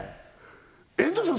遠藤さん